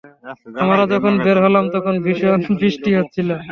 আমরা যখন বের হলাম, তখন ভীষণ বৃষ্টি হচ্ছিল।